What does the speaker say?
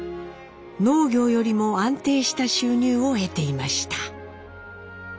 農業よりも安定した収入を得ていました。